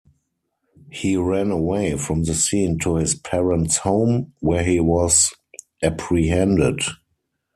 He ran away from the scene to his parents' home, where he was apprehended.